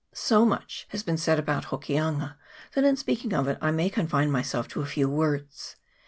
So much has been said about Hokianga, that in speaking of it I may confine myself to a few words.